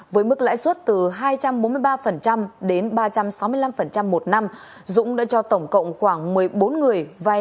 với mức lãi suất từ hai trăm bốn mươi ba đến ba trăm sáu mươi năm một năm dũng đã cho tổng cộng khoảng một mươi bốn người vai